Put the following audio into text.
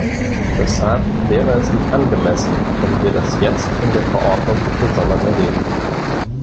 Deshalb wäre es nicht angemessen, wenn wir das jetzt in der Verordnung gesondert erwähnen.